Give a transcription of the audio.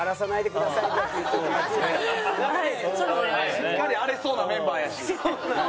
しっかり荒れそうなメンバーやし。